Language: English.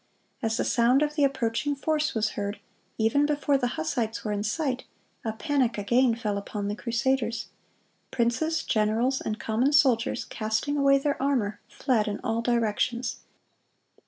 As the sound of the approaching force was heard, even before the Hussites were in sight, a panic again fell upon the crusaders. Princes, generals, and common soldiers, casting away their armor, fled in all directions.